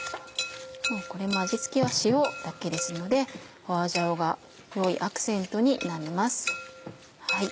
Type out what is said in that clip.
これも味付けは塩だけですので花椒が良いアクセントになります。